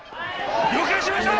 了解しました！